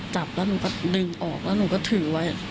จับแล้วหนูก็ดึงออกแล้วหนูก็ถือไว้